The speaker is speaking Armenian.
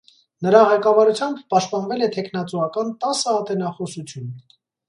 Նրա ղեկավարությամբ պաշտպանվել է թեկնածուական տասը ատենախոսություն։